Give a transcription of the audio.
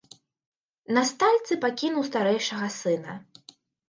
На стальцы пакінуў старэйшага сына.